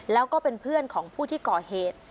แล้วก็เป็นเพื่อนของผู้ที่ก่อเหตุ